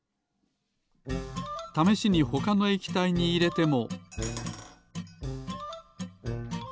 ためしにほかの液体にいれても。